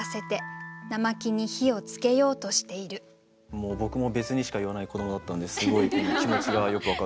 もう僕も「別にしか言わない子供」だったのですごい気持ちがよく分かるというか。